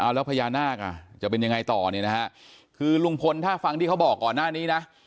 แล้วพญานาคอ่ะจะเป็นยังไงต่อเนี่ยนะฮะคือลุงพลถ้าฟังที่เขาบอกก่อนหน้านี้นะ